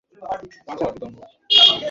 কেবল আবু উসমান এবং এই নার্সরা থাকবে।